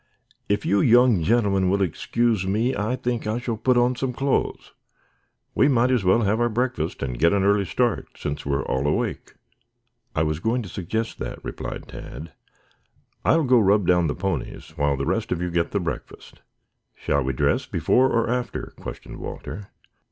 "If you young gentlemen will excuse me I think I shall put on some clothes. We might as well have our breakfast and get an early start, since we are all awake." "I was going to suggest that," replied Tad. "I'll go rub down the ponies while the rest of you get the breakfast." "Shall we dress before or after?" questioned Walter.